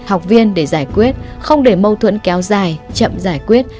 học viên để giải quyết không để mâu thuẫn kéo dài chậm giải quyết